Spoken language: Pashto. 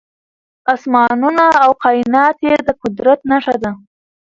اسمانونه او کائنات يې د قدرت نښه ده .